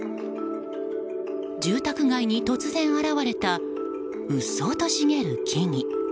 住宅街に突然現れたうっそうと茂る木々。